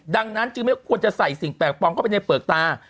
ดังนั้นจึงไม่ควรจะใส่สิ่งแปลกปลอมเข้าไปในเปลือกตา